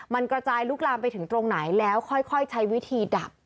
มันกระจายลุกลามไปถึงตรงไหนแล้วค่อยใช้วิธีดับ